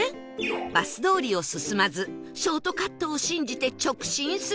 バス通りを進まずショートカットを信じて直進する事に